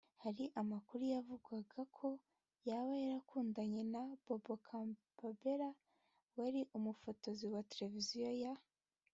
Hari amakuru yavugwaga ko yaba yarakundanye na Bob Campbell wari umufotozi wa televiziyo ya